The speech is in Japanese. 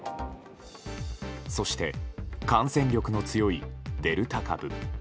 そして、感染力の強いデルタ株。